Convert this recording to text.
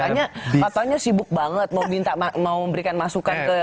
katanya katanya sibuk banget mau berikan masukan ke